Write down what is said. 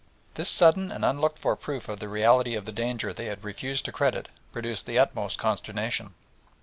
This sudden and unlooked for proof of the reality of the danger they had refused to credit produced the utmost consternation.